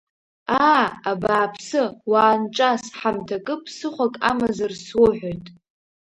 Аа, абааԥсы, уаанҿас, ҳамҭакы ԥсыхәак амазар суҳәоит!